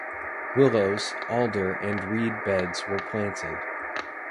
Willows, alder and reed beds were planted.